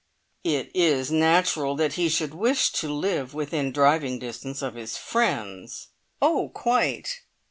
"It is natural that he should wish to live within driving distance of his friends." "Oh, quite!"